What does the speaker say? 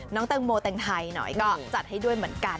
น้องแตงโมแต่งไทยหน่อยก็จัดให้ด้วยเหมือนกัน